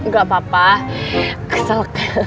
gak apa apa kesel